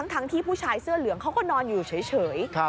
ทั้งที่ผู้ชายเสื้อเหลืองเขาก็นอนอยู่เฉย